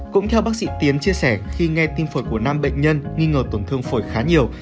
cũng theo bác sĩ tiến chia sẻ khi nghe tim phổi của năm bệnh nhân nghi ngờ tổn thương phổi khá nhiều